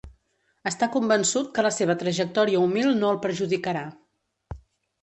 Està convençut que la seva trajectòria humil no el perjudicarà.